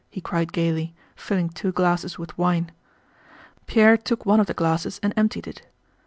he cried gaily, filling two glasses with wine. Pierre took one of the glasses and emptied it.